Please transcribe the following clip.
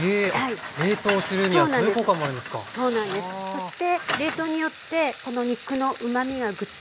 そして冷凍によってこの肉のうまみがぐっと。